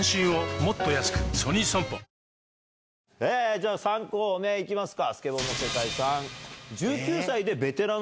じゃあ３個目行きますか。